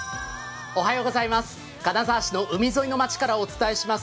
金沢市の海沿いの街からお伝えします。